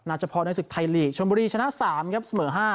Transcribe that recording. เฉพาะในศึกไทยลีกชนบุรีชนะ๓ครับเสมอ๕